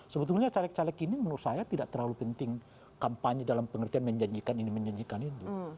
sebetulnya caleg caleg ini menurut saya tidak terlalu penting kampanye dalam pengertian menjanjikan ini menjanjikan itu